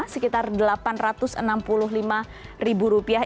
sekitar delapan ratus enam puluh lima ribu rupiah